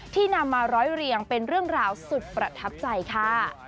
นำมาร้อยเรียงเป็นเรื่องราวสุดประทับใจค่ะ